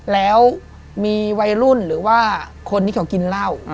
แล้วมีวัยรุ่นหรือว่าคนที่เขากินเหล้า